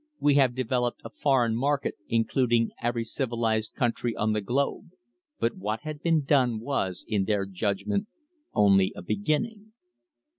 We have developed a foreign market, including every civilised country on the globe." But what had been done was, in their judgment, only a beginning.